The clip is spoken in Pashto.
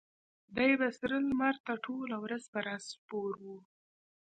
دی به سره لمر ته ټوله ورځ پر آس سپور و.